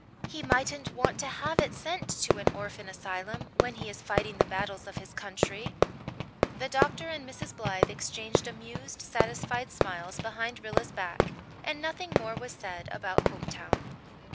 He mightn't want to have it sent to an orphan asylum, when he is fighting the battles of his country." The doctor and Mrs. Blythe exchanged amused, satisfied smiles behind Rilla's back; and nothing more was said about Hopetown.